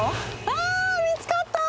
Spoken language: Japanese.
あ見つかった！